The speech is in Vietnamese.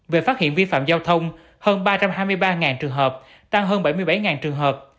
về phát hiện vi phạm giao thông hơn ba trăm hai mươi ba trường hợp tăng hơn bảy mươi bảy trường hợp